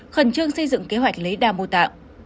khẩn trương xây dựng kế hoạch lấy đa mô tạng